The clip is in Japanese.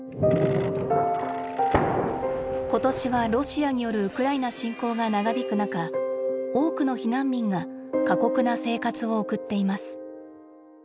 今年はロシアによるウクライナ侵攻が長引く中多くの避難民が過酷な生活を送っています。